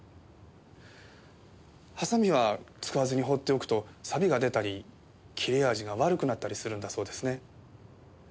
ハサミは使わずに放っておくと錆が出たり切れ味が悪くなったりするんだそうですね。